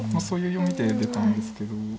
そういう読みで出たんですけど。